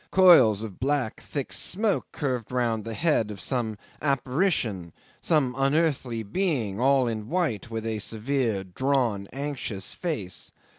Coils of black thick smoke curved round the head of some apparition, some unearthly being, all in white, with a severe, drawn, anxious face.